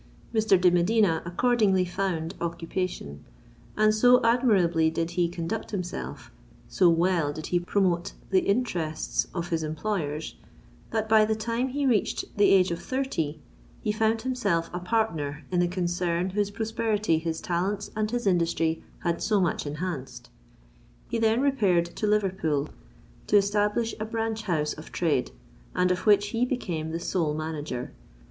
Mr. de Medina, accordingly, found occupation; and so admirably did he conduct himself—so well did he promote the interests of his employers, that by the time he reached the age of thirty, he found himself a partner in the concern whose prosperity his talents and his industry had so much enhanced. He then repaired to Liverpool, to establish a branch house of trade, and of which he became the sole manager.